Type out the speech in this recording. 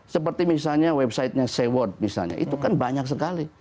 seperti misalnya websitenya sayword itu kan banyak sekali